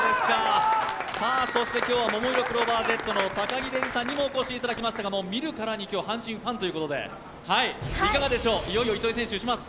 そして今日はももいろクローバーＺの高城れにさんにもお越しいただきましたが、見るからに今日は阪神ファンということでいかがでしょう、いよいよ糸井選手、打ちます。